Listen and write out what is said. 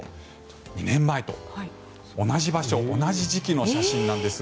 ２年前と同じ場所、同じ時期の写真なんです。